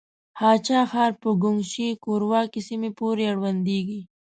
هه چه ښار په ګوانګ شي کورواکې سيمې پورې اړونديږي.